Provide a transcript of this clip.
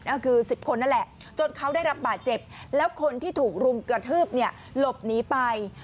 ก็คือ๑๐คนนั่นแหละจนเขาได้รับบาดเจ็บแล้วคนที่ถูกรุมกระทืบเนี่ยหลบหนีไป